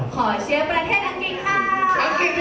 ขอเชียร์ประเทศอังกฤษค่ะ